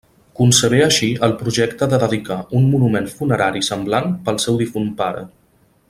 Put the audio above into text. Concebé així el projecte de dedicar un monument funerari semblant pel seu difunt pare.